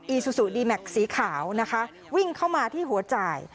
ซูซูดีแม็กซ์สีขาวนะคะวิ่งเข้ามาที่หัวจ่าย